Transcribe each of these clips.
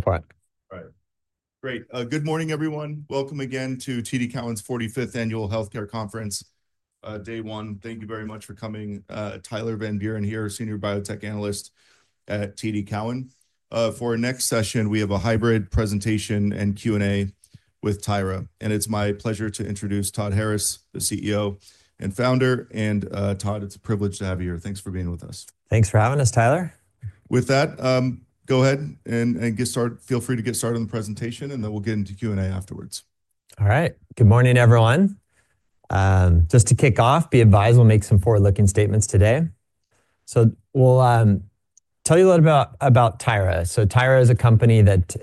Part. Right. Great. Good morning, everyone. Welcome again to TD Cowen's 45th Annual Healthcare Conference, Day One. Thank you very much for coming. Tyler Van Buren here, Senior Biotech Analyst at TD Cowen. For our next session, we have a hybrid presentation and Q&A with Tyra, and it's my pleasure to introduce Todd Harris, the CEO and founder. Todd, it's a privilege to have you here. Thanks for being with us. Thanks for having us, Tyler. With that, go ahead and get started. Feel free to get started on the presentation, and then we'll get into Q&A afterwards. All right. Good morning, everyone. Just to kick off, be advised we'll make some forward-looking statements today. We'll tell you a little bit about Tyra. Tyra is a company that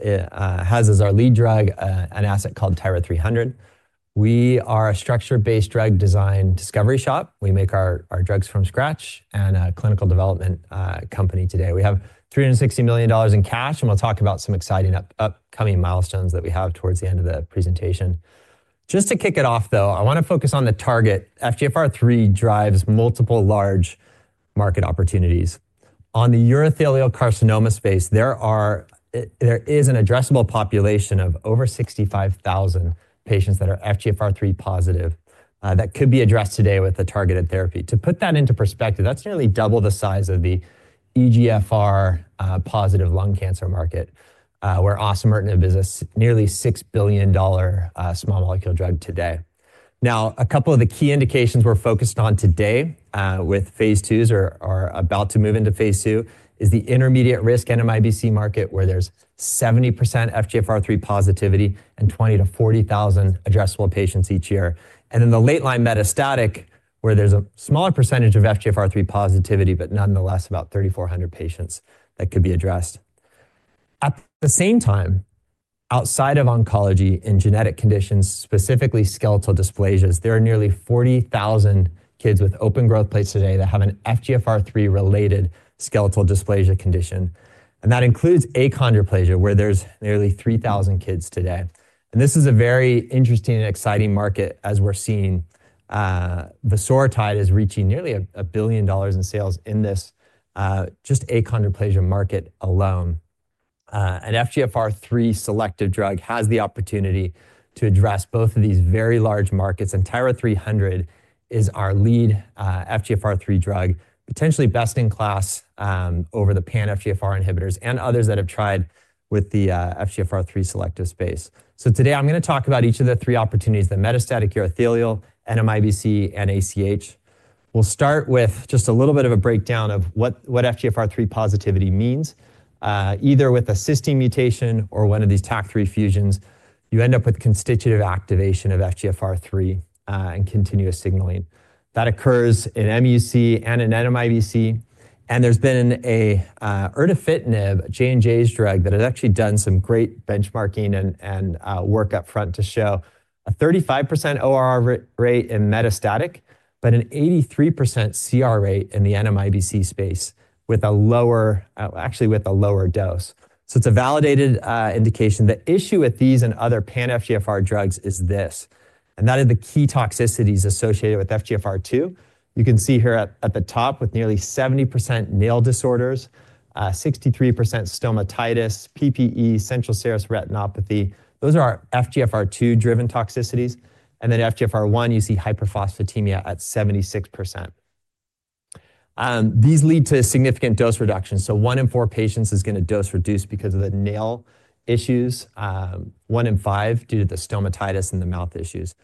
has as our lead drug an asset called TYRA-300. We are a structure-based drug design discovery shop. We make our drugs from scratch and a clinical development company today. We have $360 million in cash, and we'll talk about some exciting upcoming milestones that we have towards the end of the presentation. Just to kick it off, though, I want to focus on the target. FGFR3 drives multiple large market opportunities. On the urothelial carcinoma space, there is an addressable population of over 65,000 patients that are FGFR3 positive that could be addressed today with a targeted therapy. To put that into perspective, that's nearly double the size of the EGFR positive lung cancer market, where osimertinib business is a nearly $6 billion small molecule drug today. Now, a couple of the key indications we're focused on today with phase IIs or about to move into phase II is the intermediate-risk NMIBC market, where there's 70% FGFR3 positivity and 20,000 to 40,000 addressable patients each year. Then the late-line metastatic, where there's a smaller percentage of FGFR3 positivity, but nonetheless about 3,400 patients that could be addressed. At the same time, outside of oncology and genetic conditions, specifically skeletal dysplasias, there are nearly 40,000 kids with open growth plates today that have an FGFR3-related skeletal dysplasia condition. That includes achondroplasia, where there's nearly 3,000 kids today. This is a very interesting and exciting market as we're seeing vosoritide is reaching nearly $1 billion in sales in this just achondroplasia market alone. An FGFR3 selective drug has the opportunity to address both of these very large markets, and TYRA-300 is our lead FGFR3 drug, potentially best in class over the pan-FGFR inhibitors and others that have tried with the FGFR3 selective space. Today I'm going to talk about each of the three opportunities: the metastatic urothelial, NMIBC, and ACH. We'll start with just a little bit of a breakdown of what FGFR3 positivity means. Either with a cysteine mutation or one of these TACC3 fusions, you end up with constitutive activation of FGFR3 and continuous signaling. That occurs in mUC and in NMIBC, and there's been an erdafitinib, J&J's drug, that has actually done some great benchmarking and work upfront to show a 35% ORR rate in metastatic, but an 83% CR rate in the NMIBC space with a lower, actually with a lower dose. It is a validated indication. The issue with these and other pan-FGFR drugs is this, and that is the key toxicities associated with FGFR2. You can see here at the top with nearly 70% nail disorders, 63% stomatitis, PPE, central serous retinopathy. Those are our FGFR2-driven toxicities. FGFR1, you see hyperphosphatemia at 76%. These lead to significant dose reductions. One in four patients is going to dose reduce because of the nail issues, one in five due to the stomatitis and the mouth issues.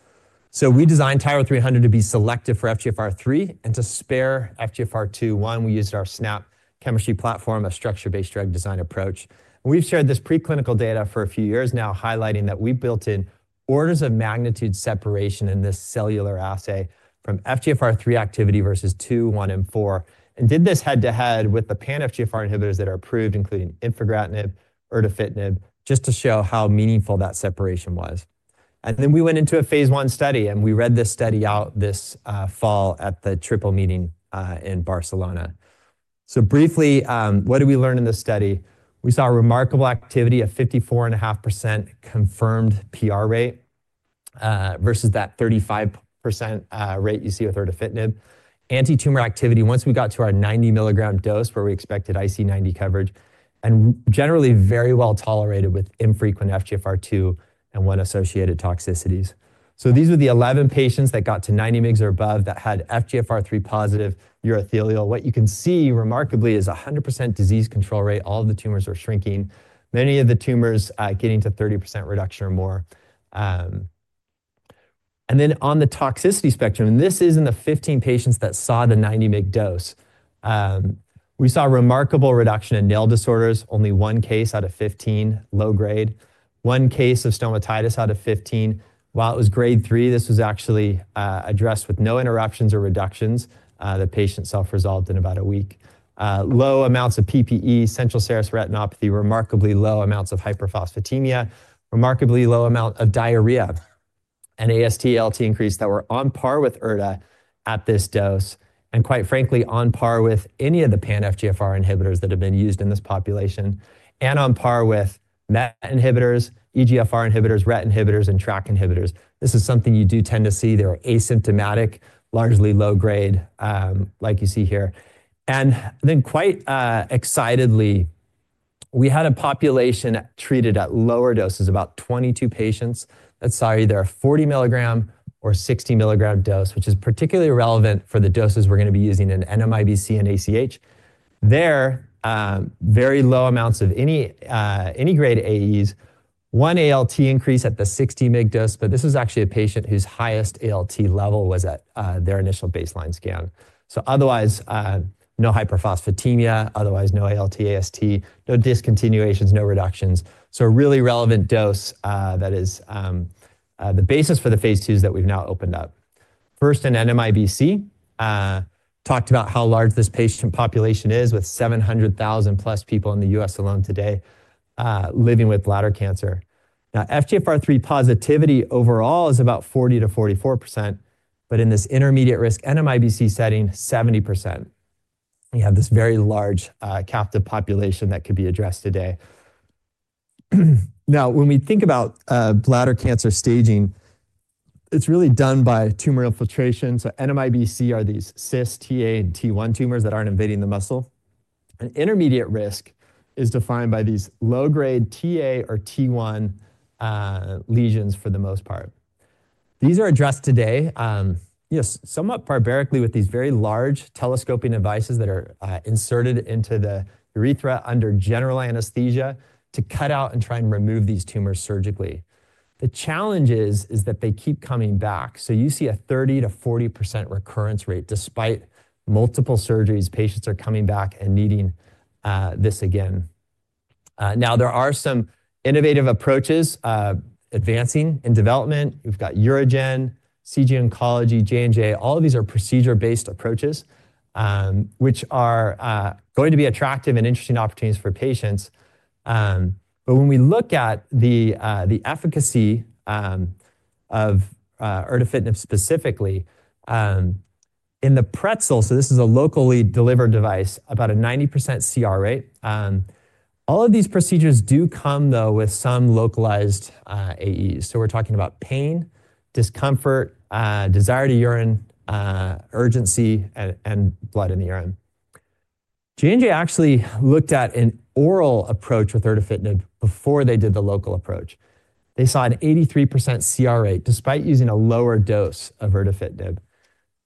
We designed TYRA-300 to be selective for FGFR3 and to spare FGFR2. One, we used our SNAP chemistry platform, a structure-based drug design approach. We've shared this preclinical data for a few years now, highlighting that we've built in orders of magnitude separation in this cellular assay from FGFR3 activity versus 2, 1, and 4, and did this head-to-head with the pan-FGFR inhibitors that are approved, including Infigratinib, Erdafitinib, just to show how meaningful that separation was. We went into a phase I study, and we read this study out this fall at the TRIPLE meeting in Barcelona. Briefly, what did we learn in this study? We saw a remarkable activity of 54.5% confirmed PR rate versus that 35% rate you see with Erdafitinib. Anti-tumor activity, once we got to our 90 mg dose where we expected IC90 coverage, and generally very well tolerated with infrequent FGFR2 and 1 associated toxicities. These were the 11 patients that got to 90 mg or above that had FGFR3 positive urothelial. What you can see remarkably is a 100% disease control rate. All of the tumors are shrinking, many of the tumors getting to 30% reduction or more. On the toxicity spectrum, and this is in the 15 patients that saw the 90 mg dose, we saw a remarkable reduction in nail disorders, only one case out of 15, low grade, one case of stomatitis out of 15. While it was grade three, this was actually addressed with no interruptions or reductions. The patient self-resolved in about a week. Low amounts of PPE, central serous retinopathy, remarkably low amounts of hyperphosphatemia, remarkably low amount of diarrhea, and AST/ALT increase that were on par with erda at this dose, and quite frankly, on par with any of the pan-FGFR inhibitors that have been used in this population, and on par with MAT inhibitors, EGFR inhibitors, RET inhibitors, and TRK inhibitors. This is something you do tend to see. They're asymptomatic, largely low grade, like you see here. Quite excitedly, we had a population treated at lower doses, about 22 patients. That's either a 40 mg or 60 mg dose, which is particularly relevant for the doses we're going to be using in NMIBC and ACH. There, very low amounts of any grade AEs, one ALT increase at the 60 mg dose, but this was actually a patient whose highest ALT level was at their initial baseline scan. Otherwise, no hyperphosphatemia, otherwise no ALT/AST, no discontinuations, no reductions. A really relevant dose that is the basis for the phase IIs that we've now opened up. First, in NMIBC, talked about how large this patient population is with 700,000 plus people in the U.S. alone today living with bladder cancer. Now, FGFR3 positivity overall is about 40% to 44%, but in this intermediate-risk NMIBC setting, 70%. We have this very large captive population that could be addressed today. Now, when we think about bladder cancer staging, it's really done by tumor infiltration. NMIBC are these cyst, TA, and T1 tumors that aren't invading the muscle. Intermediate risk is defined by these low-grade TA or T1 lesions for the most part. These are addressed today somewhat barbarically with these very large telescoping devices that are inserted into the urethra under general anesthesia to cut out and try and remove these tumors surgically. The challenge is that they keep coming back. You see a 30% to 40% recurrence rate despite multiple surgeries. Patients are coming back and needing this again. There are some innovative approaches advancing in development. We've got UroGen, CG Oncology, J&J. All of these are procedure-based approaches, which are going to be attractive and interesting opportunities for patients. When we look at the efficacy of erdafitinib specifically, in the Pretzel, so this is a locally delivered device, about a 90% CR rate. All of these procedures do come, though, with some localized AEs. We're talking about pain, discomfort, desire to urine, urgency, and blood in the urine. J&J actually looked at an oral approach with erdafitinib before they did the local approach. They saw an 83% CR rate despite using a lower dose of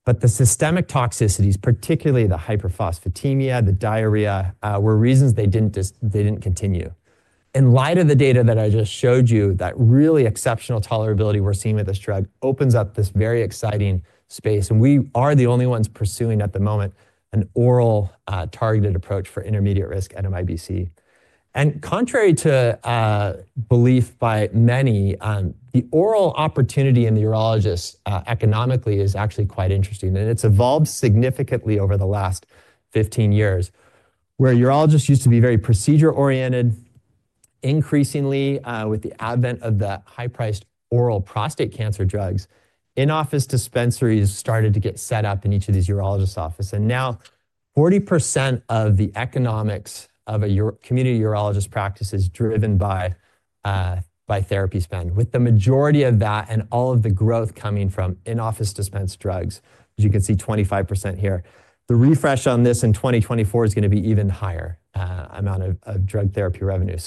erdafitinib. The systemic toxicities, particularly the hyperphosphatemia, the diarrhea, were reasons they did not continue. In light of the data that I just showed you, that really exceptional tolerability we are seeing with this drug opens up this very exciting space. We are the only ones pursuing at the moment an oral targeted approach for intermediate-risk NMIBC. Contrary to belief by many, the oral opportunity in the urologists economically is actually quite interesting, and it has evolved significantly over the last 15 years, where urologists used to be very procedure-oriented. Increasingly, with the advent of the high-priced oral prostate cancer drugs, in-office dispensaries started to get set up in each of these urologists' offices. Now 40% of the economics of a community urologist practice is driven by therapy spend, with the majority of that and all of the growth coming from in-office dispensed drugs. As you can see, 25% here. The refresh on this in 2024 is going to be even higher amount of drug therapy revenue.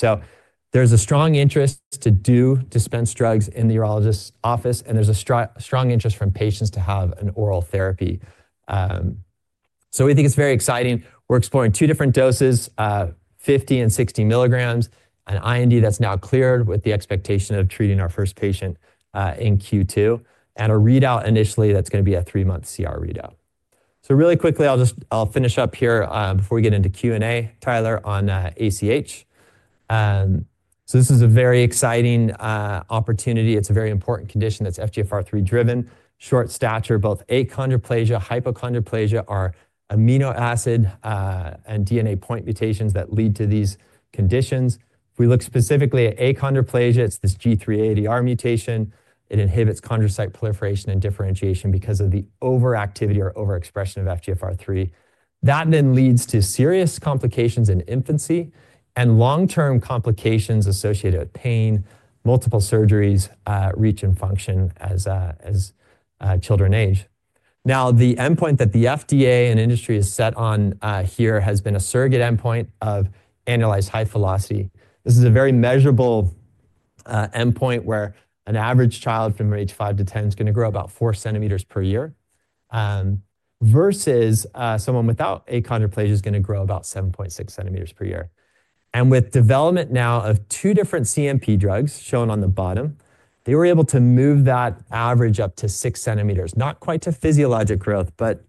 There is a strong interest to do dispensed drugs in the urologist's office, and there is a strong interest from patients to have an oral therapy. We think it's very exciting. We're exploring two different doses, 50 mg and 60 mg, an IND that's now cleared with the expectation of treating our first patient in Q2, and a readout initially that's going to be a three-month CR readout. Really quickly, I'll finish up here before we get into Q&A, Tyler, on ACH. This is a very exciting opportunity. It's a very important condition that's FGFR3-driven. Short stature, both achondroplasia and hypochondroplasia are amino acid and DNA point mutations that lead to these conditions. If we look specifically at achondroplasia, it's this G380R mutation. It inhibits chondrocyte proliferation and differentiation because of the overactivity or overexpression of FGFR3. That then leads to serious complications in infancy and long-term complications associated with pain. Multiple surgeries, reach, and function as children age. Now, the endpoint that the FDA and industry has set on here has been a surrogate endpoint of annualized height velocity. This is a very measurable endpoint where an average child from age five to 10 is going to grow about 4 cm. per year versus someone without achondroplasia is going to grow about 7.6 cm. per year. With development now of two different CMP drugs shown on the bottom, they were able to move that average up to 6 cm., not quite to physiologic growth, but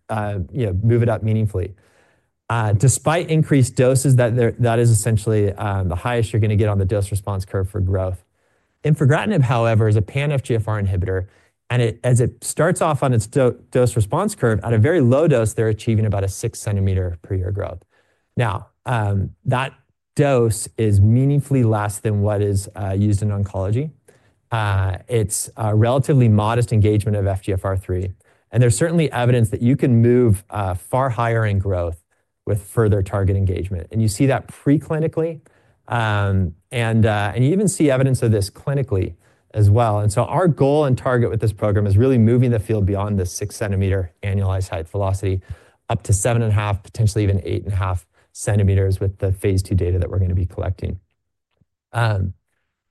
move it up meaningfully. Despite increased doses, that is essentially the highest you're going to get on the dose response curve for growth. Infigratinib, however, is a pan-FGFR inhibitor, and as it starts off on its dose response curve, at a very low dose, they're achieving about a 6 cm. per year growth. Now, that dose is meaningfully less than what is used in oncology. It's a relatively modest engagement of FGFR3, and there's certainly evidence that you can move far higher in growth with further target engagement. You see that preclinically, and you even see evidence of this clinically as well. Our goal and target with this program is really moving the field beyond the 6 centimeter annualized height velocity up to 7.5 cm., potentially even 8.5 cm. with the phase II data that we're going to be collecting.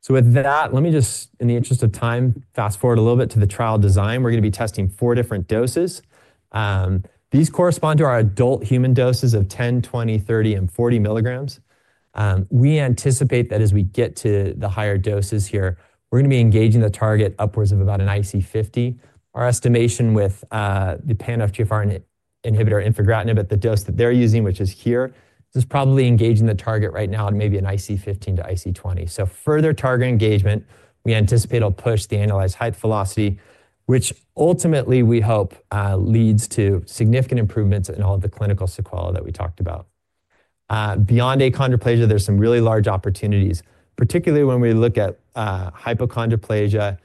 With that, let me just, in the interest of time, fast forward a little bit to the trial design. We're going to be testing four different doses. These correspond to our adult human doses of 10 mg, 20 mg, 30 mg, and 40 mg. We anticipate that as we get to the higher doses here, we're going to be engaging the target upwards of about an IC50. Our estimation with the pan-FGFR inhibitor infigratinib at the dose that they're using, which is here, is probably engaging the target right now at maybe an IC15 to IC20. Further target engagement, we anticipate, will push the annualized height velocity, which ultimately we hope leads to significant improvements in all of the clinical sequelae that we talked about. Beyond achondroplasia, there's some really large opportunities, particularly when we look at hypochondroplasia,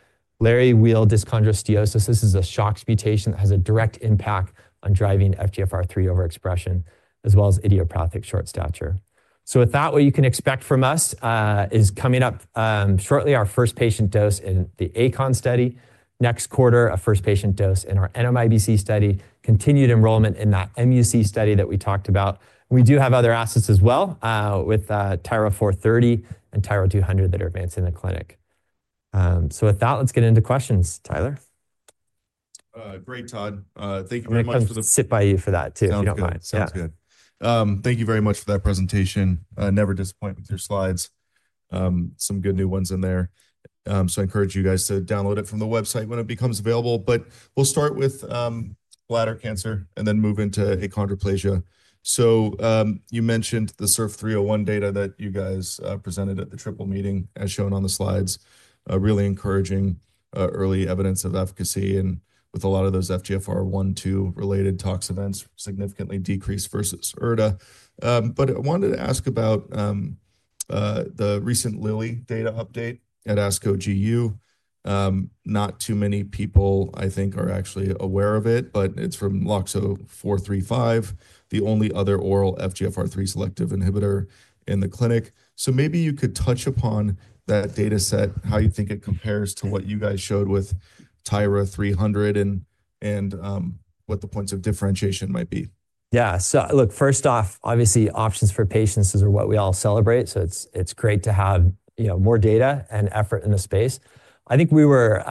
Léri-Weill dyschondrosteosis. This is a Schoch's mutation that has a direct impact on driving FGFR3 overexpression, as well as idiopathic short stature. With that, what you can expect from us is coming up shortly our first patient dose in the ACON study, next quarter a first patient dose in our NMIBC study, continued enrollment in that mUC study that we talked about. We do have other assets as well with TYRA-430 and TYRA-200 that are advancing the clinic. With that, let's get into questions, Tyler. Great, Todd. Thank you very much for the. I'll sit by you for that too, if you don't mind. Sounds good. Thank you very much for that presentation. Never disappoint with your slides. Some good new ones in there. I encourage you guys to download it from the website when it becomes available. We'll start with bladder cancer and then move into achondroplasia. You mentioned the SURF301 data that you guys presented at the TRIPLE meeting, as shown on the slides. Really encouraging early evidence of efficacy, and with a lot of those FGFR1, 2 related tox events significantly decreased versus erda. I wanted to ask about the recent Lilly data update at ASCO GU. Not too many people, I think, are actually aware of it, but it's from LOXO-435, the only other oral FGFR3 selective inhibitor in the clinic. Maybe you could touch upon that data set, how you think it compares to what you guys showed with TYRA-300 and what the points of differentiation might be. Yeah. First off, obviously options for patients is what we all celebrate. It is great to have more data and effort in the space. I think we were,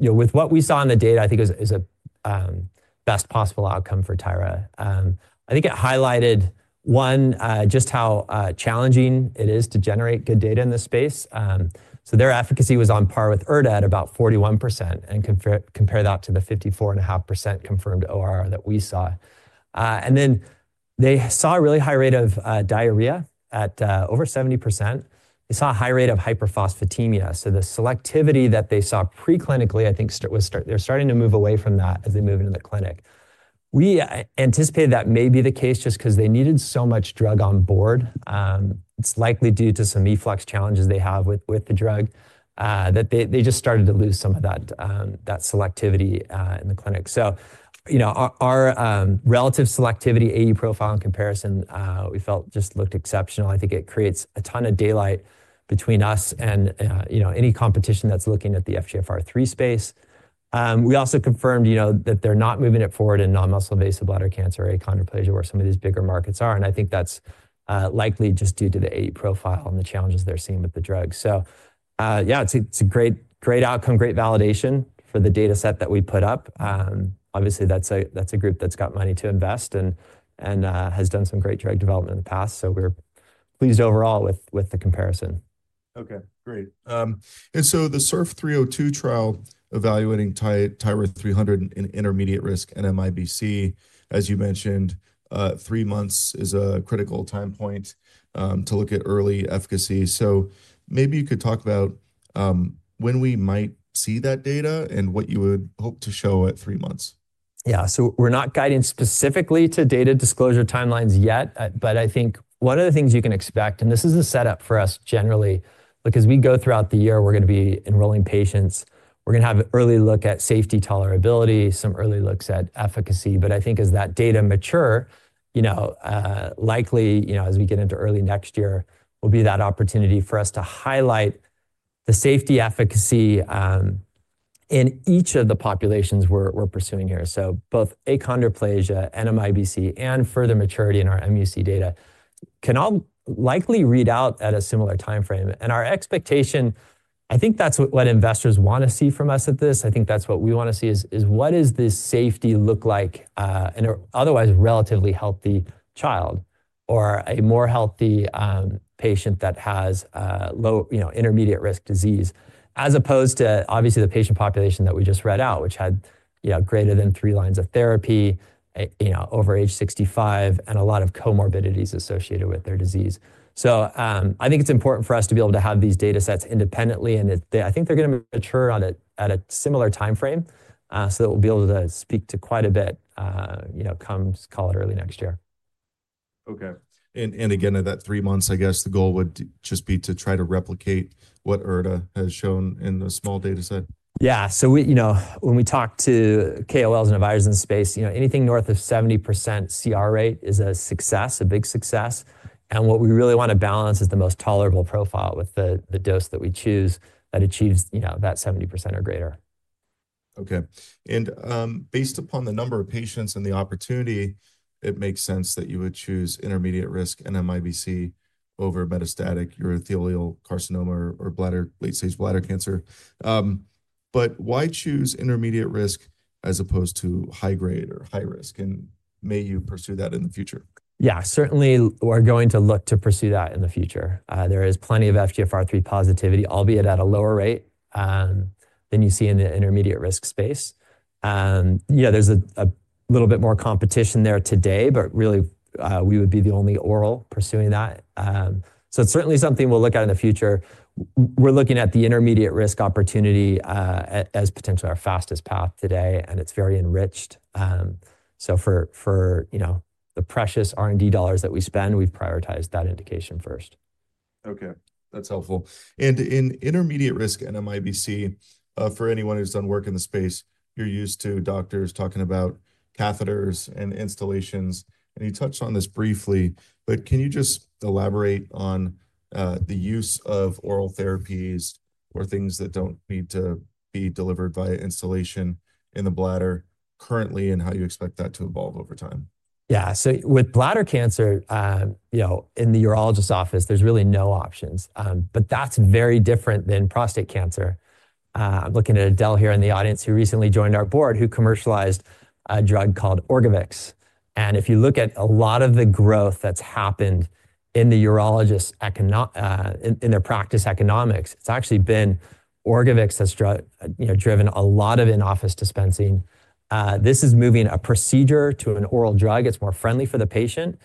with what we saw in the data, I think it was the best possible outcome for Tyra. I think it highlighted, one, just how challenging it is to generate good data in this space. Their efficacy was on par with erda at about 41%, and compare that to the 54.5% confirmed ORR that we saw. They saw a really high rate of diarrhea at over 70%. They saw a high rate of hyperphosphatemia. The selectivity that they saw preclinically, I think they're starting to move away from that as they move into the clinic. We anticipated that may be the case just because they needed so much drug on board. It's likely due to some efflux challenges they have with the drug that they just started to lose some of that selectivity in the clinic. Our relative selectivity AE profile in comparison, we felt just looked exceptional. I think it creates a ton of daylight between us and any competition that's looking at the FGFR3 space. We also confirmed that they're not moving it forward in non-muscle invasive bladder cancer, achondroplasia, where some of these bigger markets are. I think that's likely just due to the AE profile and the challenges they're seeing with the drug. Yeah, it's a great outcome, great validation for the data set that we put up. Obviously, that's a group that's got money to invest and has done some great drug development in the past. We're pleased overall with the comparison. Okay. Great. The SURF302 trial evaluating TYRA-300 in intermediate-risk NMIBC, as you mentioned, three months is a critical time point to look at early efficacy. Maybe you could talk about when we might see that data and what you would hope to show at three months. Yeah. We're not guiding specifically to data disclosure timelines yet, but I think one of the things you can expect, and this is a setup for us generally, because we go throughout the year, we're going to be enrolling patients. We're going to have an early look at safety, tolerability, some early looks at efficacy. I think as that data mature, likely as we get into early next year, will be that opportunity for us to highlight the safety efficacy in each of the populations we're pursuing here. Both achondroplasia, NMIBC, and further maturity in our mUC data can all likely read out at a similar timeframe. Our expectation, I think that's what investors want to see from us at this. I think that's what we want to see is what does this safety look like in an otherwise relatively healthy child or a more healthy patient that has intermediate risk disease, as opposed to obviously the patient population that we just read out, which had greater than three lines of therapy, over age 65, and a lot of comorbidities associated with their disease. I think it's important for us to be able to have these data sets independently, and I think they're going to mature on it at a similar timeframe. That way we'll be able to speak to quite a bit, call it early next year. Okay. Again, at that three months, I guess the goal would just be to try to replicate what erda has shown in the small data set. Yeah. When we talk to KOLs and advisors in the space, anything north of 70% CR rate is a success, a big success. What we really want to balance is the most tolerable profile with the dose that we choose that achieves that 70% or greater. Okay. Based upon the number of patients and the opportunity, it makes sense that you would choose intermediate-risk NMIBC over metastatic urothelial carcinoma or late-stage bladder cancer. Why choose intermediate risk as opposed to high grade or high risk? May you pursue that in the future? Yeah. Certainly, we're going to look to pursue that in the future. There is plenty of FGFR3 positivity, albeit at a lower rate than you see in the intermediate risk space. There's a little bit more competition there today, but really we would be the only oral pursuing that. It is certainly something we'll look at in the future. We're looking at the intermediate risk opportunity as potentially our fastest path today, and it's very enriched. For the precious R&D dollars that we spend, we've prioritized that indication first. Okay. That's helpful. In intermediate-risk NMIBC, for anyone who's done work in the space, you're used to doctors talking about catheters and installations, and you touched on this briefly, but can you just elaborate on the use of oral therapies or things that don't need to be delivered via installation in the bladder currently and how you expect that to evolve over time? Yeah. With bladder cancer in the urologist's office, there's really no options, but that's very different than prostate cancer. I'm looking at Adele here in the audience who recently joined our board, who commercialized a drug called ORGOVYX. If you look at a lot of the growth that's happened in the urologists' practice economics, it's actually been ORGOVYX that's driven a lot of in-office dispensing. This is moving a procedure to an oral drug. It's more friendly for the patient.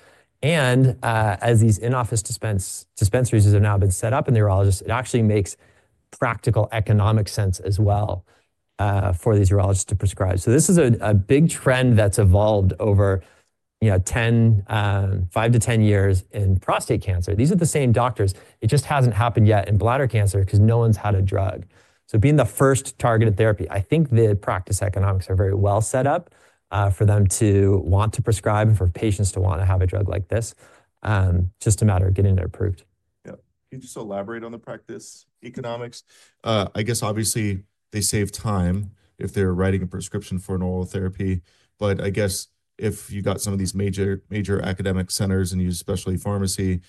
As these in-office dispensaries have now been set up in the urologists, it actually makes practical economic sense as well for these urologists to prescribe. This is a big trend that's evolved over five to 10 years in prostate cancer. These are the same doctors. It just hasn't happened yet in bladder cancer because no one's had a drug. Being the first targeted therapy, I think the practice economics are very well set up for them to want to prescribe, for patients to want to have a drug like this. Just a matter of getting it approved. Yeah. Can you just elaborate on the practice economics? I guess obviously they save time if they're writing a prescription for an oral therapy, but I guess if you've got some of these major academic centers and use specialty pharmacy,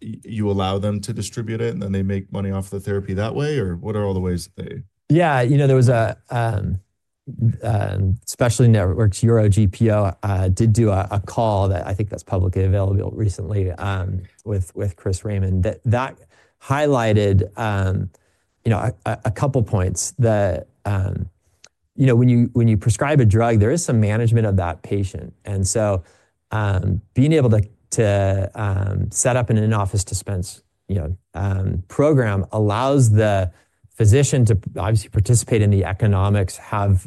you allow them to distribute it and then they make money off the therapy that way, or what are all the ways that they? Yeah. There was a specialty network, UroGPO, did do a call that I think that's publicly available recently with Chris Raymond that highlighted a couple of points that when you prescribe a drug, there is some management of that patient. And so being able to set up an in-office dispense program allows the physician to obviously participate in the economics, have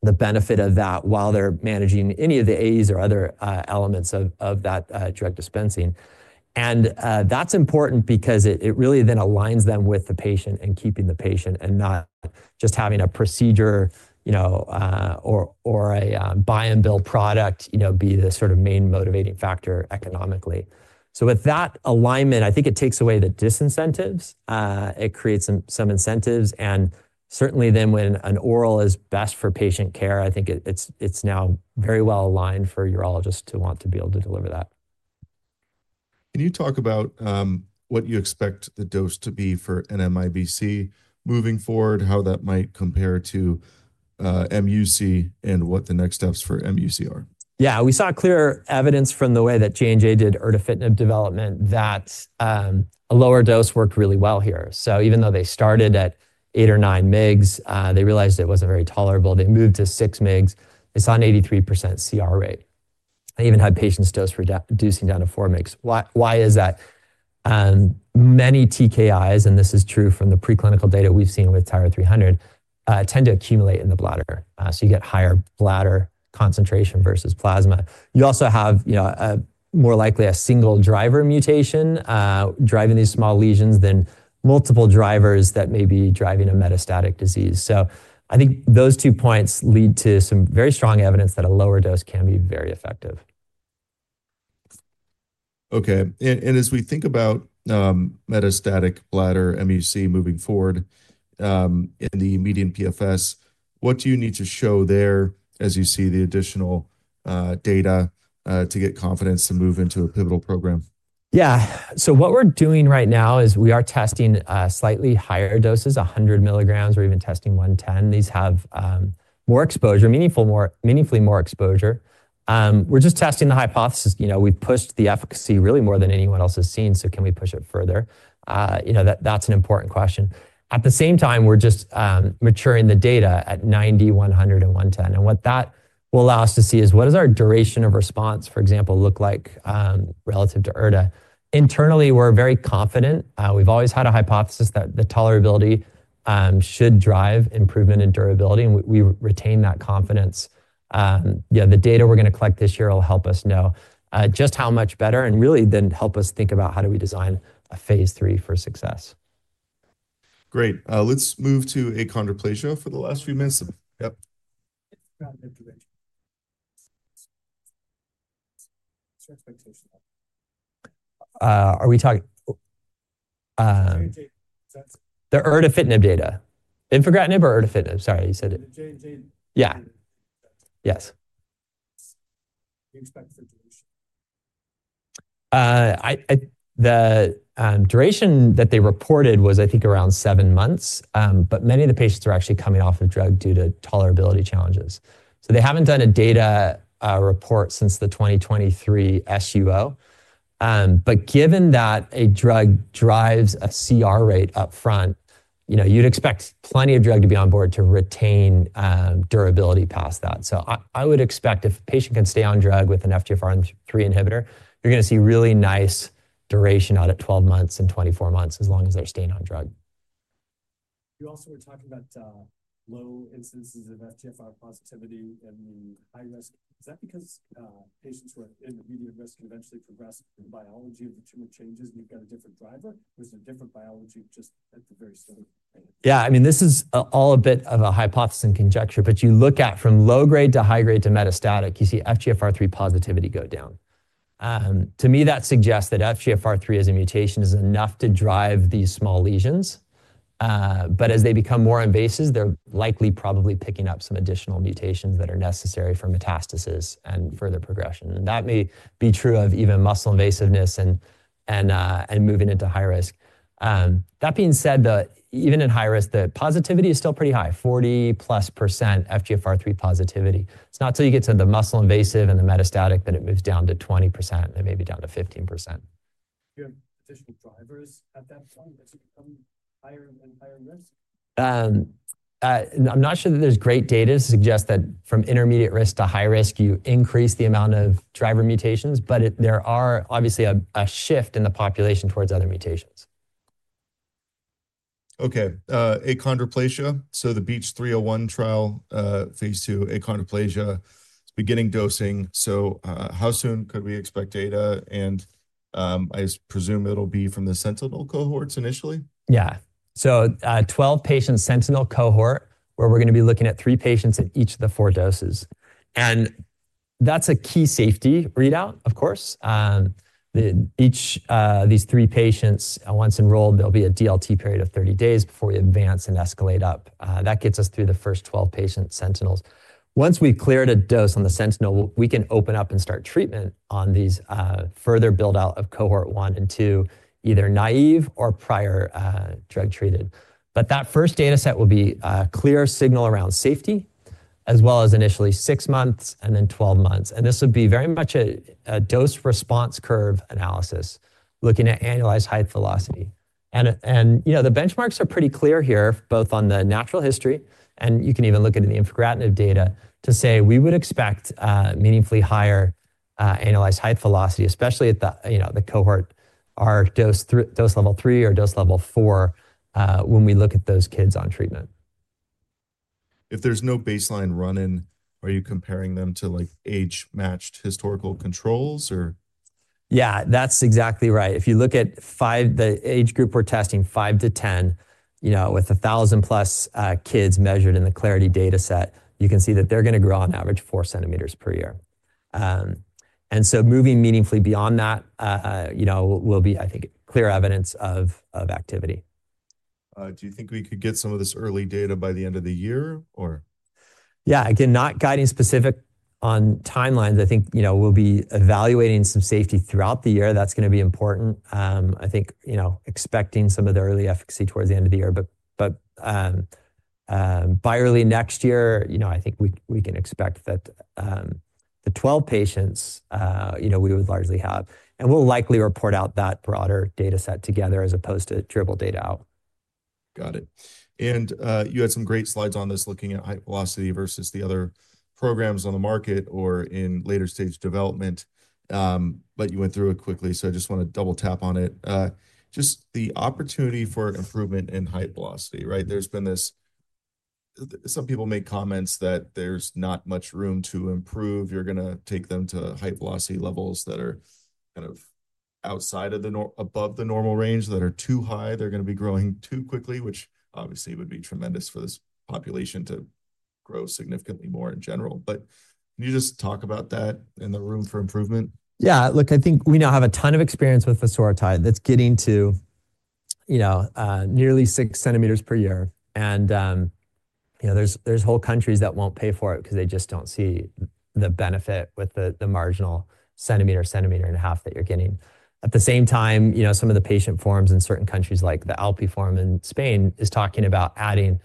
the benefit of that while they're managing any of the AEs or other elements of that drug dispensing. That is important because it really then aligns them with the patient and keeping the patient and not just having a procedure or a buy-and-bill product be the sort of main motivating factor economically. With that alignment, I think it takes away the disincentives. It creates some incentives. Certainly then when an oral is best for patient care, I think it is now very well aligned for urologists to want to be able to deliver that. Can you talk about what you expect the dose to be for NMIBC moving forward, how that might compare to mUC and what the next steps for mUC are? Yeah. We saw clear evidence from the way that J&J did erdafitinib development that a lower dose worked really well here. Even though they started at 8 mg or 9 mg, they realized it was not very tolerable. They moved to 6 mg. They saw an 83% CR rate. They even had patients dosing down to 4 mg. Why is that? Many TKIs, and this is true from the preclinical data we've seen with TYRA-300, tend to accumulate in the bladder. You get higher bladder concentration versus plasma. You also have more likely a single driver mutation driving these small lesions than multiple drivers that may be driving a metastatic disease. I think those two points lead to some very strong evidence that a lower dose can be very effective. Okay. As we think about metastatic bladder mUC moving forward in the median PFS, what do you need to show there as you see the additional data to get confidence to move into a pivotal program? Yeah. What we're doing right now is we are testing slightly higher doses, 100 mg. We're even testing 110mg. These have more exposure, meaningfully more exposure. We're just testing the hypothesis. We've pushed the efficacy really more than anyone else has seen, so can we push it further? That's an important question. At the same time, we're just maturing the data at 90, 100, and 110. And what that will allow us to see is what does our duration of response, for example, look like relative to erdafitinib? Internally, we're very confident. We've always had a hypothesis that the tolerability should drive improvement in durability, and we retain that confidence. The data we're going to collect this year will help us know just how much better and really then help us think about how do we design a phase III for success. Great. Let's move to achondroplasia for the last few minutes. Yep. Are we talking the erdafitinib data? Infigratinib or erdafitinib? Sorry, you said it. Yeah. Yes. The duration that they reported was, I think, around seven months, but many of the patients are actually coming off of drug due to tolerability challenges. They have not done a data report since the 2023 SUO. Given that a drug drives a CR rate upfront, you'd expect plenty of drug to be on board to retain durability past that. I would expect if a patient can stay on drug with an FGFR3 inhibitor, you're going to see really nice duration out at 12 months and 24 months as long as they're staying on drug. You also were talking about low incidences of FGFR positivity in the high risk. Is that because patients who are in the median risk can eventually progress through biology of the tumor changes and you've got a different driver? There's a different biology just at the very start. Yeah. I mean, this is all a bit of a hypothesis and conjecture, but you look at from low grade to high grade to metastatic, you see FGFR3 positivity go down. To me, that suggests that FGFR3 as a mutation is enough to drive these small lesions. As they become more invasive, they're likely probably picking up some additional mutations that are necessary for metastasis and further progression. That may be true of even muscle invasiveness and moving into high risk. That being said, even in high risk, the positivity is still pretty high, 40% plus FGFR3 positivity. It's not until you get to the muscle invasive and the metastatic that it moves down to 20% and maybe down to 15%. Do you have additional drivers at that point that's become higher and higher risk? I'm not sure that there's great data to suggest that from intermediate risk to high risk, you increase the amount of driver mutations, but there are obviously a shift in the population towards other mutations. Okay. Achondroplasia. The BEACH 301 trial, phase II, achondroplasia, beginning dosing. How soon could we expect data? I presume it'll be from the sentinel cohorts initially? Yeah. Twelve patients, sentinel cohort, where we're going to be looking at three patients at each of the four doses. That's a key safety readout, of course. Each of these three patients, once enrolled, there'll be a DLT period of 30 days before we advance and escalate up. That gets us through the first twelve patient sentinels. Once we've cleared a dose on the sentinel, we can open up and start treatment on these further buildout of cohort one and two, either naive or prior drug-treated. That first data set will be a clear signal around safety, as well as initially six months and then 12 months. This would be very much a dose response curve analysis, looking at annualized height velocity. The benchmarks are pretty clear here, both on the natural history, and you can even look at the infigratinib data to say we would expect meaningfully higher annualized height velocity, especially at the cohort, our dose level three or dose level four when we look at those kids on treatment. If there's no baseline run-in, are you comparing them to age-matched historical controls, or? Yeah, that's exactly right. If you look at the age group we're testing, five to 10, with 1,000 plus kids measured in the CLARITY data set, you can see that they're going to grow on average 4 cm. per year. Moving meaningfully beyond that will be, I think, clear evidence of activity. Do you think we could get some of this early data by the end of the year, or? Yeah. Again, not guiding specific on timelines. I think we'll be evaluating some safety throughout the year. That's going to be important. I think expecting some of the early efficacy towards the end of the year. By early next year, I think we can expect that the 12 patients we would largely have. We'll likely report out that broader data set together as opposed to dribble data out. Got it. You had some great slides on this looking at height velocity versus the other programs on the market or in later stage development, but you went through it quickly, so I just want to double-tap on it. Just the opportunity for improvement in height velocity, right? There's been this some people make comments that there's not much room to improve. You're going to take them to height velocity levels that are kind of above the normal range that are too high. They're going to be growing too quickly, which obviously would be tremendous for this population to grow significantly more in general. Can you just talk about that and the room for improvement? Yeah. Look, I think we now have a ton of experience with vosoritide that's getting to nearly 6 centimeters per year. There are whole countries that will not pay for it because they just do not see the benefit with the marginal centimeter, centimeter and a half that you are getting. At the same time, some of the patient forms in certain countries, like the ALPI form in Spain, are talking about adding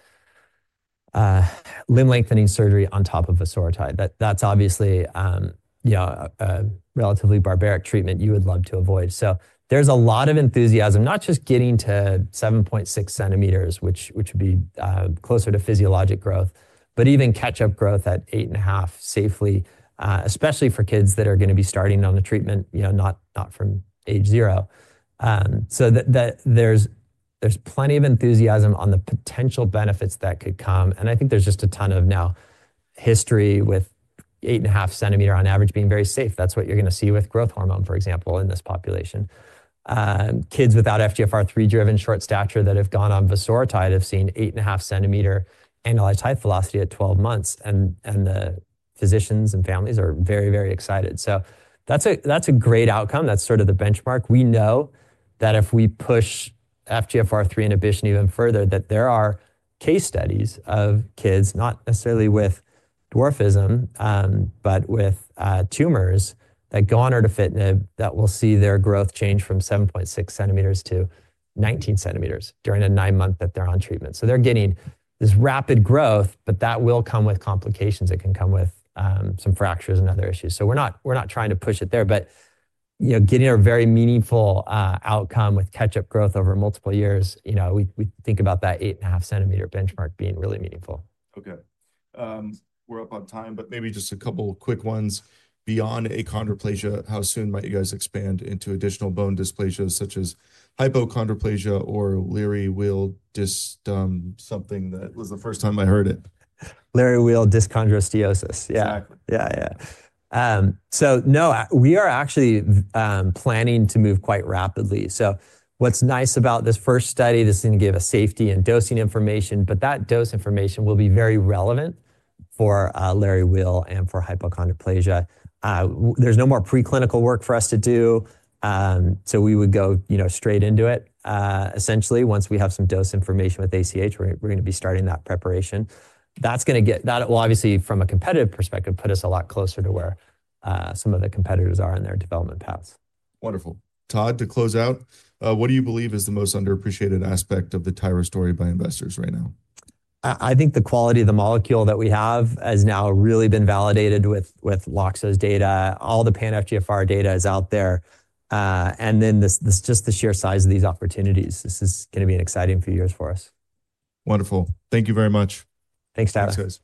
limb lengthening surgery on top of vosoritide. That is obviously a relatively barbaric treatment you would love to avoid. There is a lot of enthusiasm, not just getting to 7.6 cm., which would be closer to physiologic growth, but even catch-up growth at 8.5 cm. safely, especially for kids that are going to be starting on the treatment, not from age zero. There is plenty of enthusiasm on the potential benefits that could come. I think there is just a ton of now history with 8.5 cm. on average being very safe. That's what you're going to see with growth hormone, for example, in this population. Kids without FGFR3-driven short stature that have gone on Vosoritide have seen 8.5 cm. annualized height velocity at 12 months. The physicians and families are very, very excited. That's a great outcome. That's sort of the benchmark. We know that if we push FGFR3 inhibition even further, there are case studies of kids, not necessarily with dwarfism, but with tumors that go on Erdafitinib that will see their growth change from 7.6 cm. to 19 cm. during a nine-month period that they're on treatment. They're getting this rapid growth, but that will come with complications. It can come with some fractures and other issues. We're not trying to push it there, but getting a very meaningful outcome with catch-up growth over multiple years, we think about that eight and a half centimeter benchmark being really meaningful. Okay. We're up on time, but maybe just a couple of quick ones. Beyond achondroplasia, how soon might you guys expand into additional bone dysplasia such as hypochondroplasia or Léri-Weill, something that was the first time I heard it? Léri-Weill dyschondrosteosis, yeah. Exactly. Yeah, yeah. No, we are actually planning to move quite rapidly. What's nice about this first study, this is going to give us safety and dosing information, but that dose information will be very relevant for Léri-Weill and for hypochondroplasia. There's no more preclinical work for us to do. We would go straight into it. Essentially, once we have some dose information with ACH, we're going to be starting that preparation. That's going to get, that will obviously, from a competitive perspective, put us a lot closer to where some of the competitors are in their development paths. Wonderful. Todd, to close out, what do you believe is the most underappreciated aspect of the Tyra story by investors right now? I think the quality of the molecule that we have has now really been validated with LOXO's data. All the pan-FGFR data is out there. And then just the sheer size of these opportunities. This is going to be an exciting few years for us. Wonderful. Thank you very much. Thanks, Tyra. Thanks, guys.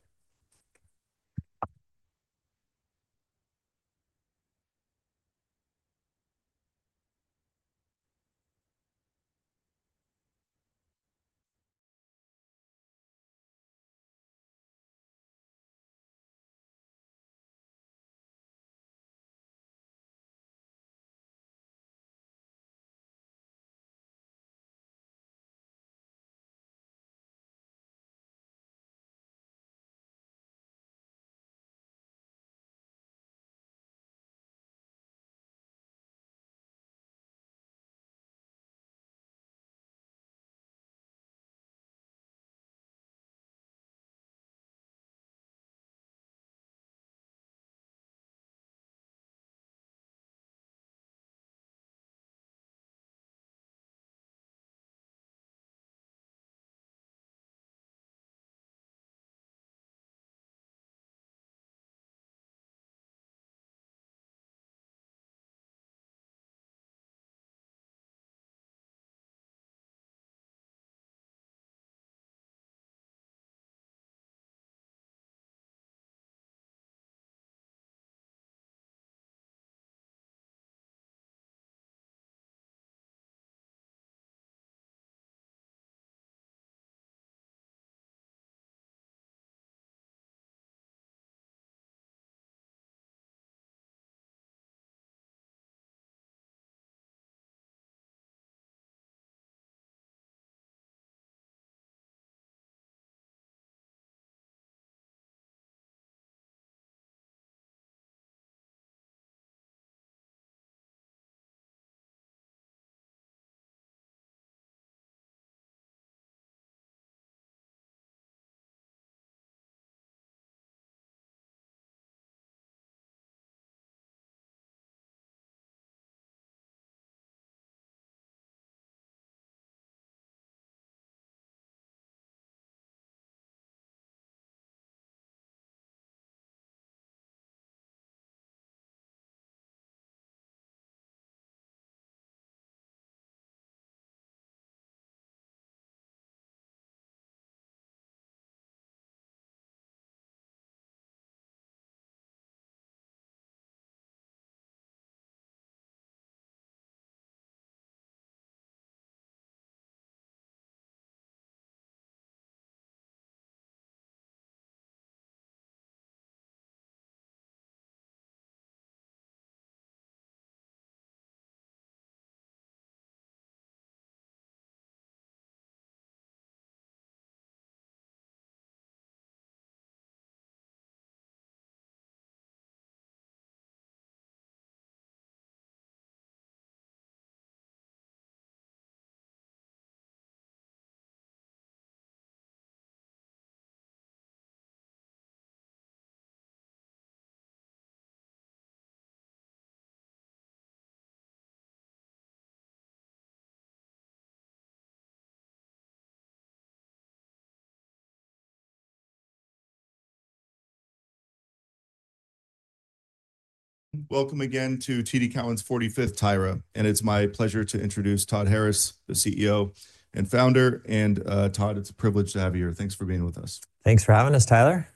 Welcome again to TD Cowen's 45th Tyra. And it's my pleasure to introduce Todd Harris, the CEO and founder. And Todd, it's a privilege to have you here. Thanks for being with us. Thanks for having us, Tyler.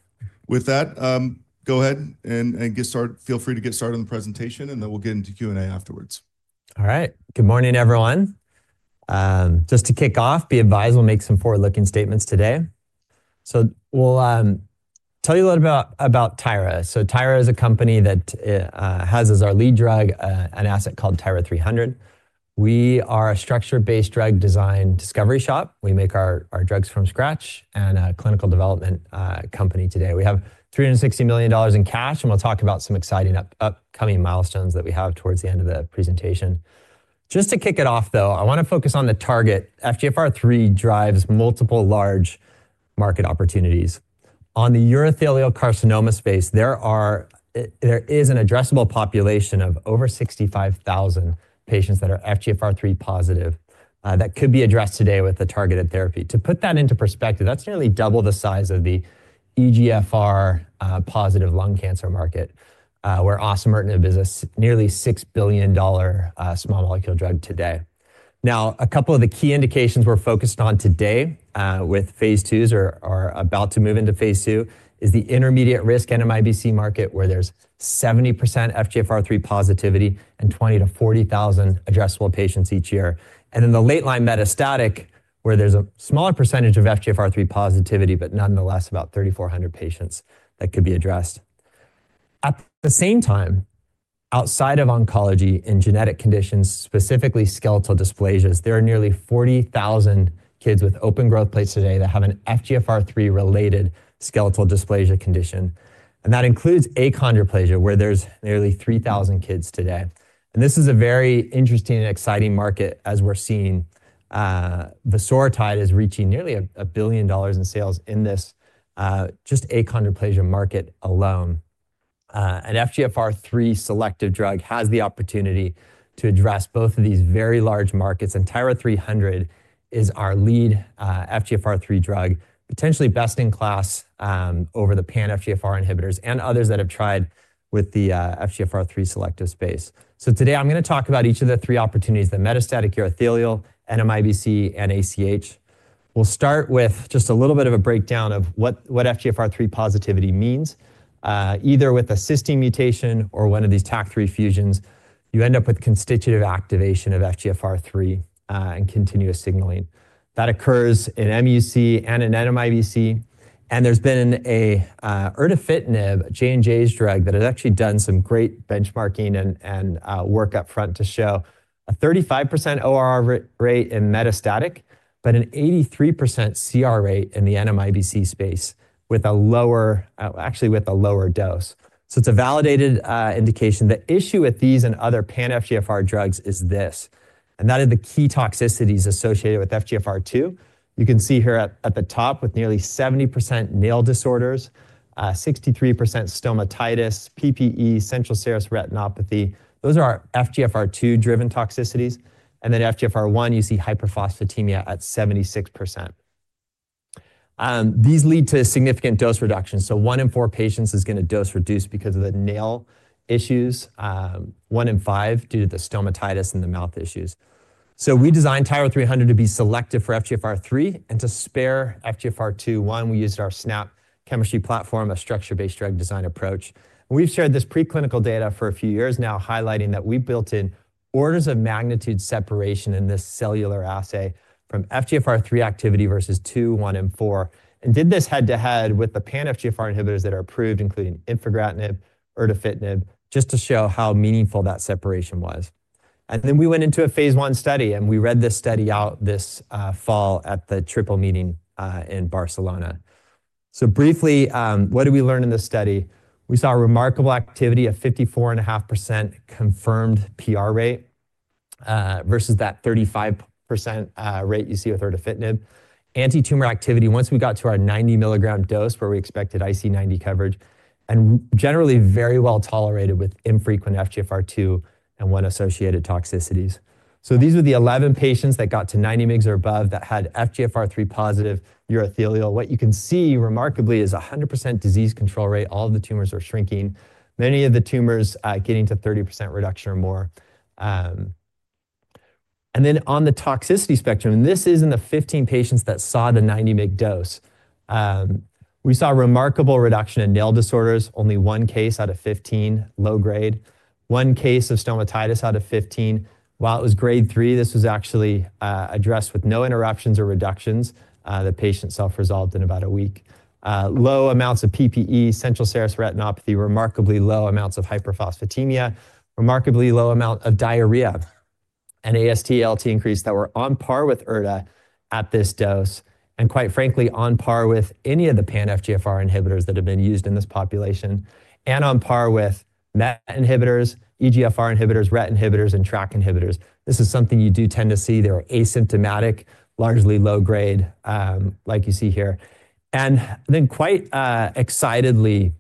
With that, go ahead and feel free to get started in the presentation, and then we'll get into Q&A afterwards. All right. Good morning, everyone. Just to kick off, be advised we'll make some forward-looking statements today. We'll tell you a little bit about Tyra. Tyra is a company that has as our lead drug an asset called TYRA-300. We are a structure-based drug design discovery shop. We make our drugs from scratch and a clinical development company today. We have $360 million in cash, and we'll talk about some exciting upcoming milestones that we have towards the end of the presentation. Just to kick it off, though, I want to focus on the target. FGFR3 drives multiple large market opportunities. On the urothelial carcinoma space, there is an addressable population of over 65,000 patients that are FGFR3 positive that could be addressed today with a targeted therapy. To put that into perspective, that's nearly double the size of the EGFR-positive lung cancer market, where osimertinib is a nearly $6 billion small molecule drug today. Now, a couple of the key indications we're focused on today with phase II's or about to move into phase II is the intermediate risk NMIBC market, where there's 70% FGFR3 positivity and 20,000 to 40,000 addressable patients each year. And then the late-line metastatic, where there's a smaller percentage of FGFR3 positivity, but nonetheless, about 3,400 patients that could be addressed. At the same time, outside of oncology and genetic conditions, specifically skeletal dysplasias, there are nearly 40,000 kids with open growth plates today that have an FGFR3-related skeletal dysplasia condition. That includes achondroplasia, where there's nearly 3,000 kids today. This is a very interesting and exciting market as we're seeing vosoritide is reaching nearly $1 billion in sales in this just achondroplasia market alone. An FGFR3 selective drug has the opportunity to address both of these very large markets. TYRA-300 is our lead FGFR3 drug, potentially best in class over the pan-FGFR inhibitors and others that have tried with the FGFR3 selective space. Today, I'm going to talk about each of the three opportunities: the metastatic urothelial, NMIBC, and ACH. We'll start with just a little bit of a breakdown of what FGFR3 positivity means. Either with a cystine mutation or one of these TACC3 fusions, you end up with constitutive activation of FGFR3 and continuous signaling. That occurs in mUC and in NMIBC. There's been an erdafitinib, J&J's drug, that has actually done some great benchmarking and work upfront to show a 35% ORR rate in metastatic, but an 83% CR rate in the NMIBC space, actually with a lower dose. It is a validated indication. The issue with these and other pan-FGFR drugs is this. That is the key toxicities associated with FGFR2. You can see here at the top with nearly 70% nail disorders, 63% stomatitis, PPE, central serous retinopathy. Those are our FGFR2-driven toxicities. Then FGFR1, you see hyperphosphatemia at 76%. These lead to significant dose reductions. One in four patients is going to dose reduce because of the nail issues. One in five due to the stomatitis and the mouth issues. We designed TYRA-300 to be selective for FGFR3 and to spare FGFR2. One, we used our SNAP chemistry platform, a structure-based drug design approach. We've shared this preclinical data for a few years now, highlighting that we built in orders of magnitude separation in this cellular assay from FGFR3 activity versus two, one, and four, and did this head-to-head with the pan-FGFR inhibitors that are approved, including infigratinib, erdafitinib, just to show how meaningful that separation was. We went into a phase I study, and we read this study out this fall at the TRIPLE meeting in Barcelona. Briefly, what did we learn in this study? We saw a remarkable activity of 54.5% confirmed PR rate versus that 35% rate you see with Erdafitinib antitumor activity once we got to our 90 mg dose where we expected IC90 coverage and generally very well tolerated with infrequent FGFR2 and one associated toxicities. These were the 11 patients that got to 90 mg or above that had FGFR3 positive urothelial. What you can see remarkably is 100% disease control rate. All of the tumors are shrinking. Many of the tumors getting to 30% reduction or more. On the toxicity spectrum, and this is in the 15 patients that saw the 90 mg dose, we saw a remarkable reduction in nail disorders. Only one case out of 15, low grade. One case of stomatitis out of 15. While it was grade three, this was actually addressed with no interruptions or reductions. The patient self-resolved in about a week. Low amounts of PPE, central serous retinopathy, remarkably low amounts of hyperphosphatemia, remarkably low amount of diarrhea, and AST/ALT increase that were on par with erda at this dose and, quite frankly, on par with any of the pan-FGFR inhibitors that have been used in this population and on par with MET inhibitors, EGFR inhibitors, RET inhibitors, and TRACC inhibitors. This is something you do tend to see. They're asymptomatic, largely low grade, like you see here. Quite excitedly,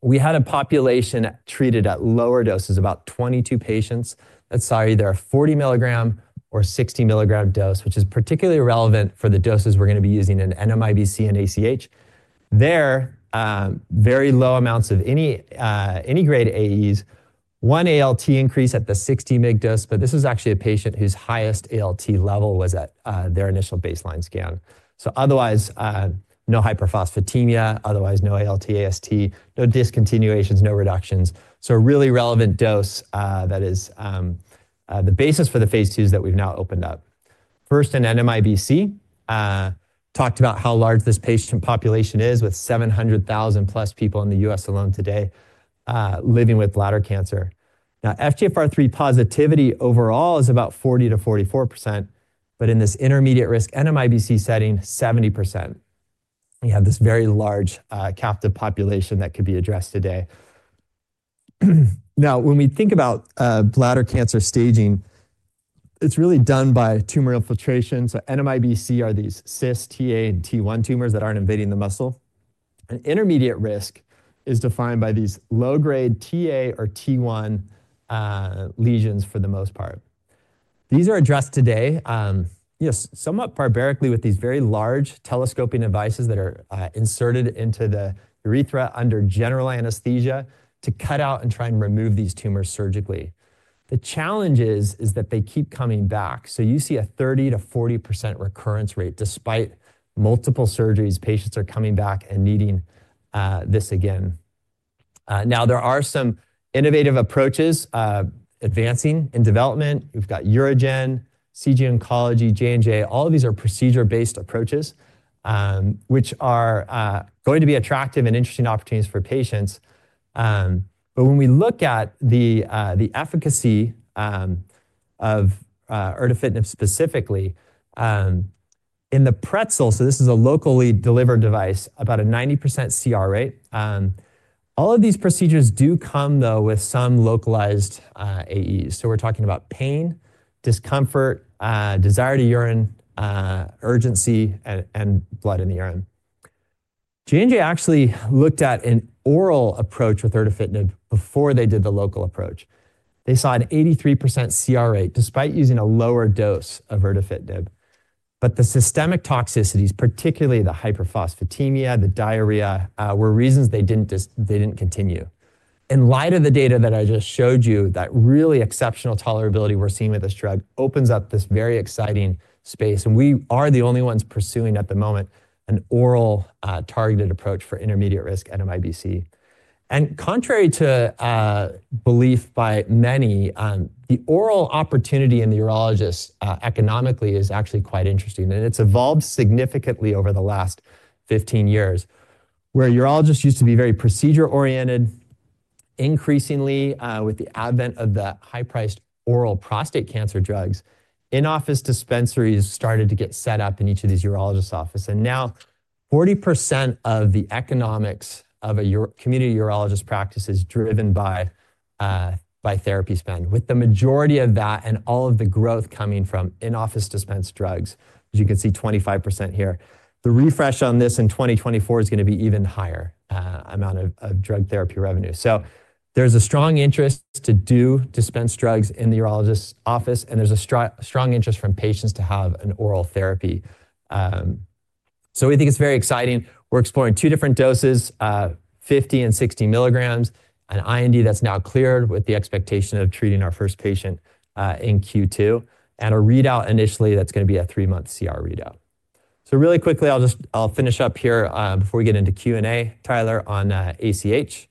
we had a population treated at lower doses, about 22 patients. That's either a 40 mg or 60 mg dose, which is particularly relevant for the doses we're going to be using in NMIBC and ACH. There, very low amounts of any grade AEs. One ALT increase at the 60 mg dose, but this was actually a patient whose highest ALT level was at their initial baseline scan. Otherwise, no hyperphosphatemia, otherwise no ALT/AST, no discontinuations, no reductions. A really relevant dose that is the basis for the phase IIs that we've now opened up. First, in NMIBC, talked about how large this patient population is with 700,000 plus people in the U.S. alone today living with bladder cancer. Now, FGFR3 positivity overall is about 40% to 44%, but in this intermediate-risk NMIBC setting, 70%. We have this very large captive population that could be addressed today. Now, when we think about bladder cancer staging, it's really done by tumor infiltration. NMIBC are these cyst, TA, and T1 tumors that aren't invading the muscle. Intermediate risk is defined by these low-grade TA or T1 lesions for the most part. These are addressed today somewhat barbarically with these very large telescoping devices that are inserted into the urethra under general anesthesia to cut out and try and remove these tumors surgically. The challenge is that they keep coming back. You see a 30% to 40% recurrence rate despite multiple surgeries. Patients are coming back and needing this again. Now, there are some innovative approaches advancing in development. We've got UroGen, CG Oncology, J&J. All of these are procedure-based approaches, which are going to be attractive and interesting opportunities for patients. When we look at the efficacy of erdafitinib specifically in the Pretzels, this is a locally delivered device, about a 90% CR rate. All of these procedures do come, though, with some localized AEs. We're talking about pain, discomfort, desire to urinate, urgency, and blood in the urine. J&J actually looked at an oral approach with erdafitinib before they did the local approach. They saw an 83% CR rate despite using a lower dose of erdafitinib. The systemic toxicities, particularly the hyperphosphatemia, the diarrhea, were reasons they didn't continue. In light of the data that I just showed you, that really exceptional tolerability we're seeing with this drug opens up this very exciting space. We are the only ones pursuing at the moment an oral targeted approach for intermediate-risk NMIBC. Contrary to belief by many, the oral opportunity in the urologists economically is actually quite interesting. It's evolved significantly over the last 15 years, where urologists used to be very procedure-oriented. Increasingly, with the advent of the high-priced oral prostate cancer drugs, in-office dispensaries started to get set up in each of these urologists' offices. Now, 40% of the economics of a community urologist practice is driven by therapy spend, with the majority of that and all of the growth coming from in-office dispensed drugs. As you can see, 25% here. The refresh on this in 2024 is going to be even higher amount of drug therapy revenue. There is a strong interest to do dispensed drugs in the urologist's office, and there is a strong interest from patients to have an oral therapy. We think it is very exciting. We are exploring two different doses, 50 mg and 60 mg, an IND that is now cleared with the expectation of treating our first patient in Q2, and a readout initially that is going to be a three-month CR readout. Really quickly, I will finish up here before we get into Q&A, Tyler, on ACH.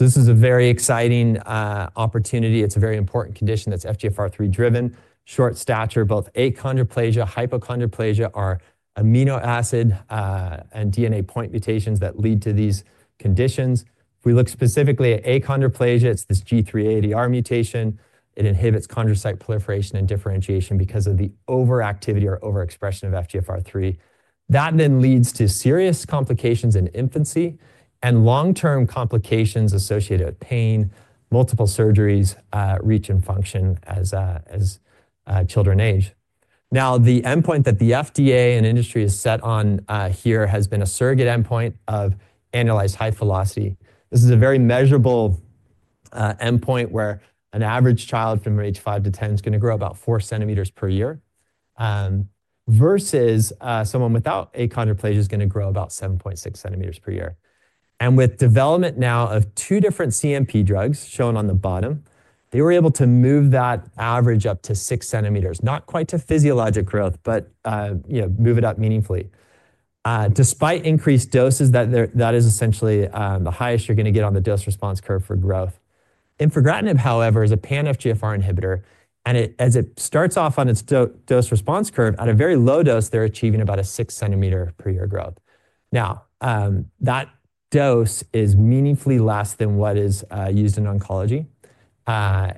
This is a very exciting opportunity. It is a very important condition that is FGFR3-driven. Short stature, both achondroplasia and hypochondroplasia are amino acid and DNA point mutations that lead to these conditions. If we look specifically at achondroplasia, it's this G380R mutation. It inhibits chondrocyte proliferation and differentiation because of the overactivity or overexpression of FGFR3. That then leads to serious complications in infancy and long-term complications associated with pain. Multiple surgeries, reach, and function as children age. Now, the endpoint that the FDA and industry has set on here has been a surrogate endpoint of annualized height velocity. This is a very measurable endpoint where an average child from age five to 10 is going to grow about 4 cm. per year versus someone without achondroplasia is going to grow about 7.6 cm. per year. With development now of two different CMP drugs shown on the bottom, they were able to move that average up to 6 cm., not quite to physiologic growth, but move it up meaningfully. Despite increased doses, that is essentially the highest you're going to get on the dose response curve for growth. Infigratinib, however, is a pan-FGFR inhibitor, and as it starts off on its dose response curve, at a very low dose, they're achieving about a 6 cm. per year growth. Now, that dose is meaningfully less than what is used in oncology.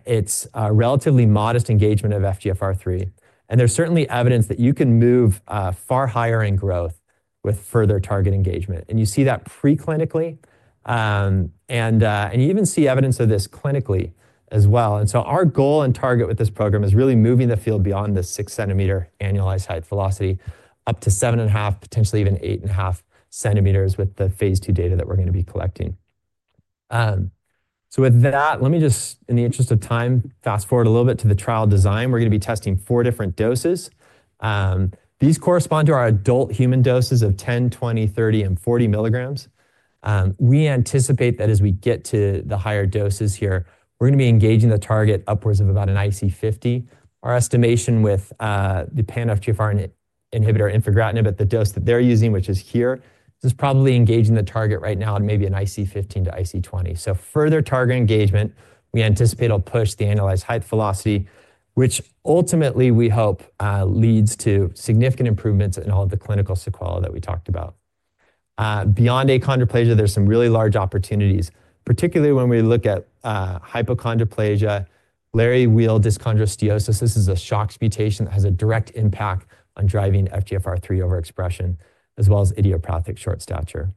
It's a relatively modest engagement of FGFR3. There's certainly evidence that you can move far higher in growth with further target engagement. You see that preclinically, and you even see evidence of this clinically as well. Our goal and target with this program is really moving the field beyond the 6 cm. annualized height velocity up to 7.5 cm., potentially even 8.5 cm. with the phase II data that we're going to be collecting. With that, let me just, in the interest of time, fast forward a little bit to the trial design. We're going to be testing four different doses. These correspond to our adult human doses of 10 mg, 20 mg, 30 mg, and 40 mg. We anticipate that as we get to the higher doses here, we're going to be engaging the target upwards of about an IC50. Our estimation with the pan-FGFR inhibitor infigratinib at the dose that they're using, which is here, is probably engaging the target right now at maybe an IC15 to IC20. Further target engagement, we anticipate it'll push the annualized height velocity, which ultimately we hope leads to significant improvements in all of the clinical sequelae that we talked about. Beyond achondroplasia, there's some really large opportunities, particularly when we look at hypochondroplasia, Léri-Weill dyschondrosteosis. This is a shock mutation that has a direct impact on driving FGFR3 overexpression, as well as idiopathic short stature.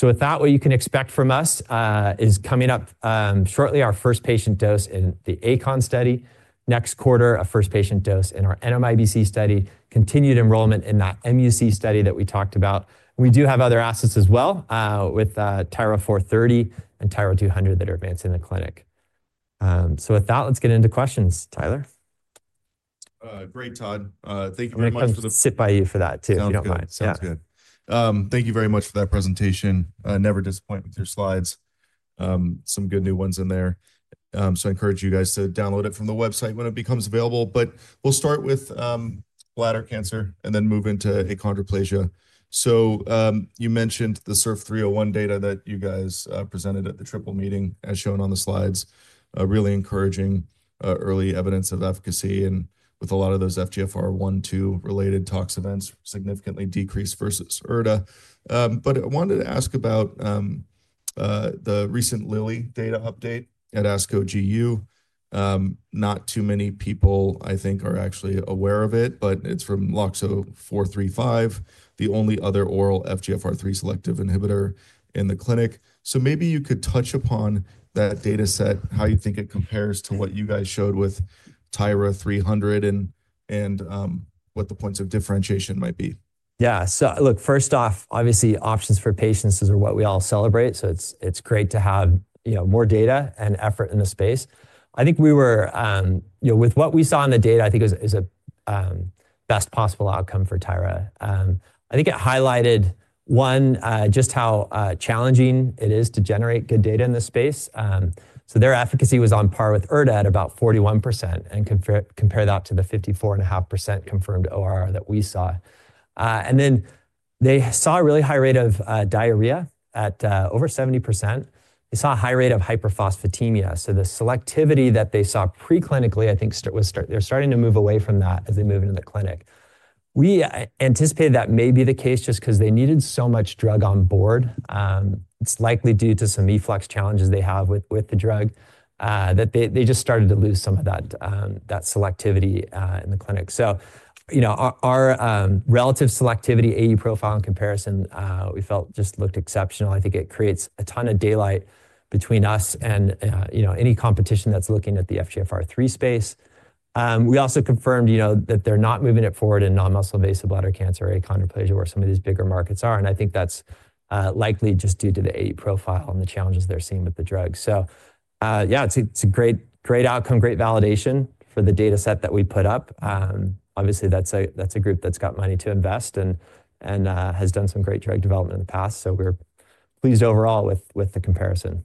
With that, what you can expect from us is coming up shortly our first patient dose in the ACON study, next quarter a first patient dose in our NMIBC study, continued enrollment in that mUC study that we talked about. We do have other assets as well with TYRA-430 and TYRA-200 that are advanced in the clinic. With that, let's get into questions, Tyler. Great, Todd. Thank you very much for the. I'll sit by you for that too, if you don't mind. Sounds good. Thank you very much for that presentation. Never disappoint with your slides. Some good new ones in there. I encourage you guys to download it from the website when it becomes available. We'll start with bladder cancer and then move into achondroplasia. You mentioned the SURF301 data that you guys presented at the TRIPLE meeting, as shown on the slides. Really encouraging early evidence of efficacy. With a lot of those FGFR1, 2 related tox events significantly decreased versus erda. I wanted to ask about the recent Lilly data update at ASCO GU. Not too many people, I think, are actually aware of it, but it's from LOXO-435, the only other oral FGFR3 selective inhibitor in the clinic. Maybe you could touch upon that data set, how you think it compares to what you guys showed with TYRA-300 and what the points of differentiation might be. Yeah. Look, first off, obviously, options for patients is what we all celebrate. It is great to have more data and effort in the space. I think we were, with what we saw in the data, I think is a best possible outcome for Tyra. I think it highlighted, one, just how challenging it is to generate good data in this space. Their efficacy was on par with erda at about 41% and compare that to the 54.5% confirmed ORR that we saw. They saw a really high rate of diarrhea at over 70%. They saw a high rate of hyperphosphatemia. The selectivity that they saw preclinically, I think they're starting to move away from that as they move into the clinic. We anticipated that may be the case just because they needed so much drug on board. It's likely due to some efflux challenges they have with the drug that they just started to lose some of that selectivity in the clinic. Our relative selectivity AE profile in comparison, we felt just looked exceptional. I think it creates a ton of daylight between us and any competition that's looking at the FGFR3 space. We also confirmed that they're not moving it forward in non-muscle invasive bladder cancer or achondroplasia where some of these bigger markets are. I think that's likely just due to the AE profile and the challenges they're seeing with the drug. Yeah, it's a great outcome, great validation for the data set that we put up. Obviously, that's a group that's got money to invest and has done some great drug development in the past. We're pleased overall with the comparison.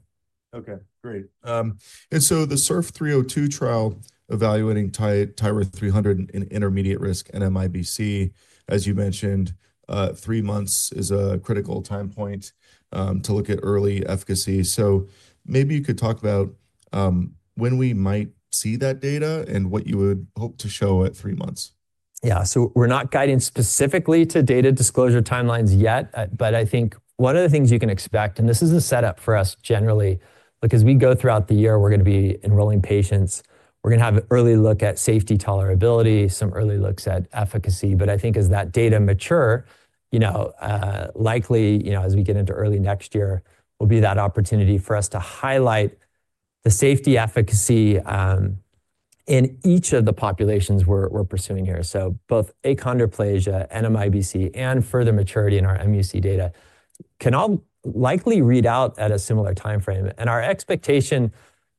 Okay. Great. The SURF302 trial evaluating TYRA-300 in intermediate-risk NMIBC, as you mentioned, three months is a critical time point to look at early efficacy. Maybe you could talk about when we might see that data and what you would hope to show at three months. Yeah. We're not guiding specifically to data disclosure timelines yet, but I think one of the things you can expect, and this is a setup for us generally, because we go throughout the year, we're going to be enrolling patients. We're going to have an early look at safety, tolerability, some early looks at efficacy. I think as that data mature, likely as we get into early next year, will be that opportunity for us to highlight the safety efficacy in each of the populations we're pursuing here. Both achondroplasia, NMIBC, and further maturity in our mUC data can all likely read out at a similar timeframe. Our expectation,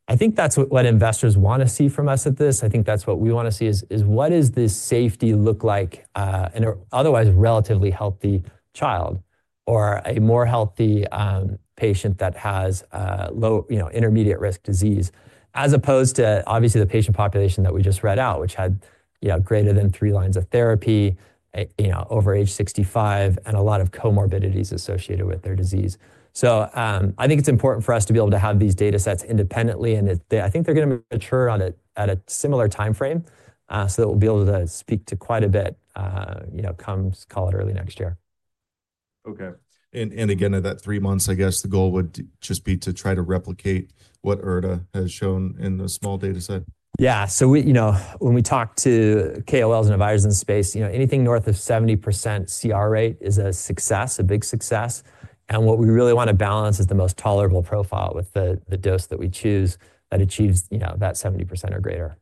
I think that's what investors want to see from us at this. I think that's what we want to see is what does this safety look like in an otherwise relatively healthy child or a more healthy patient that has intermediate risk disease, as opposed to obviously the patient population that we just read out, which had greater than three lines of therapy, over age 65, and a lot of comorbidities associated with their disease. I think it's important for us to be able to have these data sets independently. I think they're going to mature on it at a similar timeframe. That we'll be able to speak to quite a bit come, call it, early next year. Okay. Again, at that three months, I guess the goal would just be to try to replicate what erda has shown in the small data set. Yeah. When we talk to KOLs and advisors in the space, anything north of 70% CR rate is a success, a big success. What we really want to balance is the most tolerable profile with the dose that we choose that achieves that 70% or greater.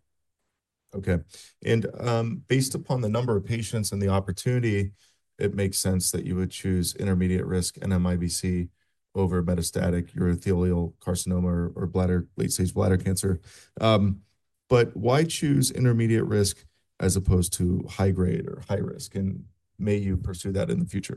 Okay. Based upon the number of patients and the opportunity, it makes sense that you would choose intermediate-risk NMIBC over metastatic urothelial carcinoma or late-stage bladder cancer. Why choose intermediate risk as opposed to high-grade or high-risk? May you pursue that in the future.